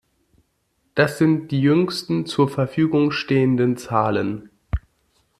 Das sind die jüngsten zur Verfügung stehenden Zahlen.